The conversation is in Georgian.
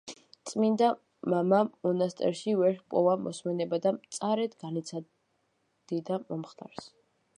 წმინდა მამამ მონასტერში ვერ ჰპოვა მოსვენება და მწარედ განიცდიდა მომხდარს.